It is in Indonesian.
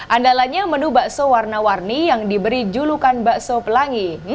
andalanya menu bakso warna warni yang diberi julukan bakso pelangi